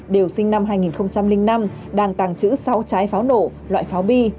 đều sinh năm hai nghìn năm đang tàng trữ sáu trái pháo nổ loại pháo bi